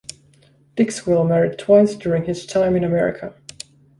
Dixwell married twice during his time in America.